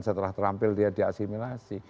setelah terampil dia diasimilasi